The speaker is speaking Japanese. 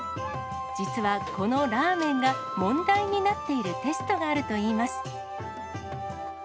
実はこのラーメンが問題になっているテストがあるといいます。